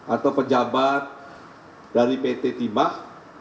atau pejabat dari pt timah